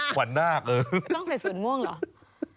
ขวันหน้าต้องใส่สูตรม่วงเหรอ